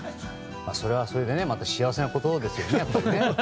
それはそれでまた幸せなことですよね。